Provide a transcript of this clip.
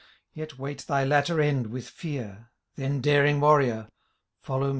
Yet wait thy latter end with fear — Then, daring Warrior, follow me